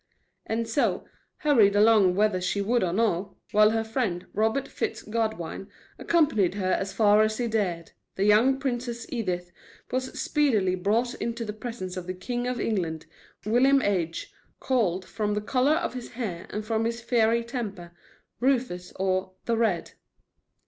And so, hurried along whether she would or no, while her friend, Robert Fitz Godwine, accompanied her as far as he dared, the young Princess Edith was speedily brought into the presence of the king of England, William H., called, from the color of his hair and from his fiery temper, Rufus, or "the Red."